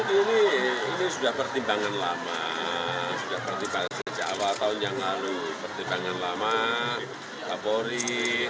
ini sudah pertimbangan lama sudah pertimbangan sejak awal tahun yang lalu pertimbangan lama kapolri